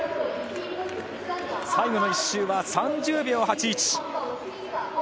最後の１周は３０秒８１。